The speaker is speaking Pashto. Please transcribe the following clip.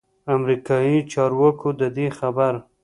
امریکايي چارواکو ددې خبر